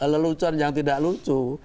lelucon yang tidak lucu